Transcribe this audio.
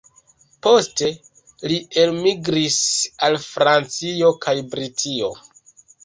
Poste li elmigris al Francio kaj Britio.